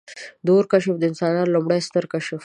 • د اور کشف د انسانانو لومړنی ستر کشف و.